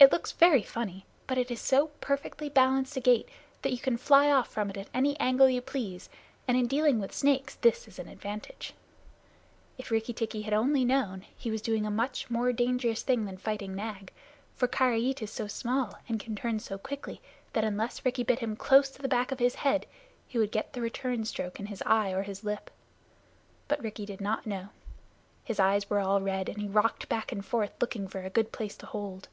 It looks very funny, but it is so perfectly balanced a gait that you can fly off from it at any angle you please, and in dealing with snakes this is an advantage. If Rikki tikki had only known, he was doing a much more dangerous thing than fighting Nag, for Karait is so small, and can turn so quickly, that unless Rikki bit him close to the back of the head, he would get the return stroke in his eye or his lip. But Rikki did not know. His eyes were all red, and he rocked back and forth, looking for a good place to hold.